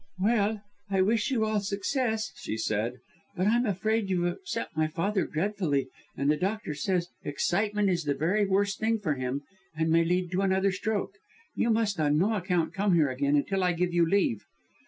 "Well! I wish you all success," she said, "but I'm afraid you've upset my father dreadfully, and the doctor says excitement is the very worst thing for him and may lead to another stroke. You must on no account come here again, until I give you leave."